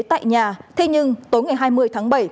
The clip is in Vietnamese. tại nhà thế nhưng tối ngày hai mươi tháng bảy